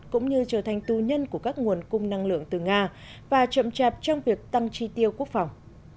cũng như trở thành tu nhân của các nguồn cung năng lượng từ nga và chậm chạp trong việc tăng tri tiêu quốc phòng